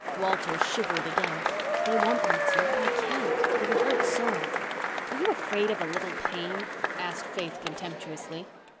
Walter shivered again. "They want me to—but I can't. It would hurt so." "Are you afraid of a little pain?" asked Faith contemptuously.